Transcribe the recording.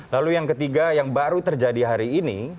lalu yang ketiga yang baru terjadi hari ini